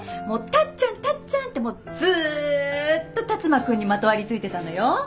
もう「タッちゃんタッちゃん」ってもうずっと辰馬くんにまとわりついてたのよ。